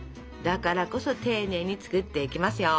だからこそ丁寧に作っていきますよ。ＯＫ！